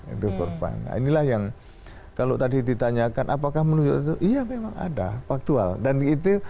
itu korban nah inilah yang kalau tadi ditanyakan apakah menunjuk itu iya memang ada faktual dan itu